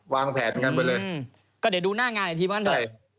วางแผนกันไปเลยก็เดี๋ยวดูหน้างานอีกทีว่าหน่อย